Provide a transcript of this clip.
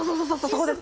そこです！